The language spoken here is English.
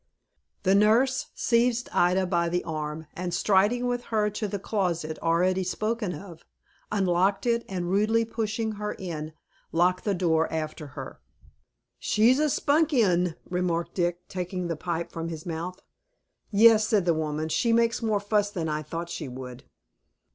The nurse seized Ida by the arm, and striding with her to the closet already spoken of, unlocked it, and rudely pushing her in, locked the door after her. "She's a spunky 'un," remarked Dick, taking the pipe from his mouth. "Yes," said the woman, "she makes more fuss than I thought she would."